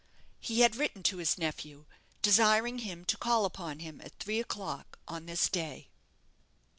He had written to his nephew, desiring him to call upon him at three o'clock on this day.